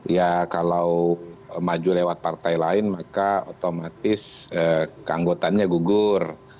ya kalau maju lewat partai lain maka otomatis keanggotannya gugur